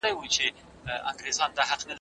توند بادونه وای توپان وای